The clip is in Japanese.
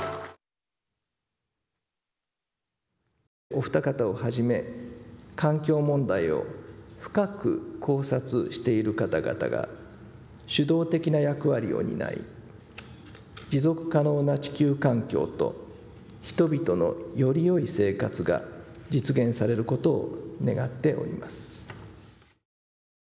お二方をはじめ環境問題を深く考察している方々が主導的な役割を担い持続可能な地球環境と人々のよりよい生活が実現されることを願っております。